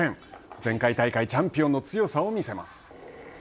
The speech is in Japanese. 前回大会チャンピオンの強さを見せます。